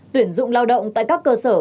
tuyển dụng lao động tại các cơ sở